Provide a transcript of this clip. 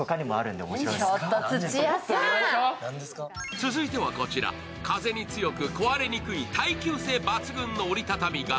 続いては風に強く壊れにくい耐久性抜群の折り畳み傘。